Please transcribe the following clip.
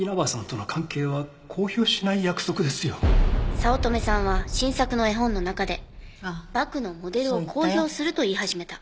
早乙女さんは新作の絵本の中でバクのモデルを公表すると言い始めた。